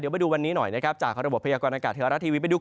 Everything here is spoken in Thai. เดี๋ยวไปดูวันนี้หน่อยจากระบบพยากรณากาศแท้อารักษ์ทีวีนิดหนึ่ง